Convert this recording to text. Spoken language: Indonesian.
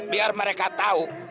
biar mereka tahu